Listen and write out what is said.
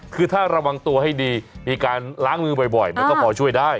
คือถ้าระวังตัวให้ดีมีการล้างมือบ่อยมันก็พอช่วยได้